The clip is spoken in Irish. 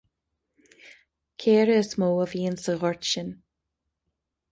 Caora is mó a bhíonn sa ghort sin.